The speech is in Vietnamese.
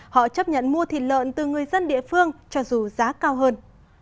họ chấp nhận mua thịt lợn từ người dân địa phương cho dù giá cao hơn